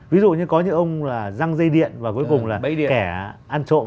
ví dụ như có những ông là răng dây điện và cuối cùng là kẻ ăn trộm